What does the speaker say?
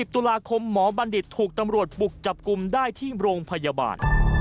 ตุลาคมหมอบัณฑิตถูกตำรวจบุกจับกลุ่มได้ที่โรงพยาบาล